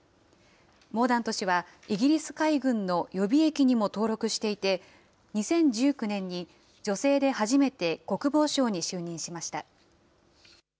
モーダント氏はイギリス海軍の予備役にも登録していて、２０１９年に女性で初めて国防相に就任しました。